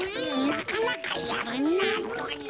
なかなかやるなぁ。